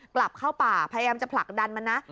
กลับเข้าป่าพยายามจะผลักดันมันนะ